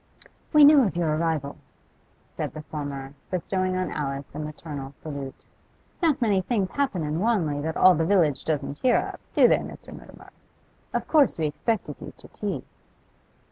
'We knew of your arrival,' said the former, bestowing on Alice a maternal salute. 'Not many things happen in Wanley that all the village doesn't hear of, do they, Mr. Mutimer? Of course we expected you to tea.